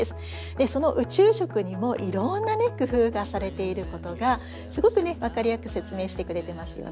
その宇宙食にもいろんな工夫がされていることがすごく分かりやすく説明してくれてますよね。